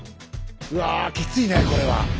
うわきついねこれは。